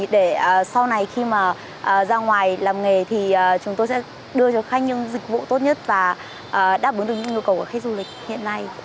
để sau này khi mà ra ngoài làm nghề thì chúng tôi sẽ đưa cho khách những dịch vụ tốt nhất và đáp ứng được những nhu cầu của khách du lịch hiện nay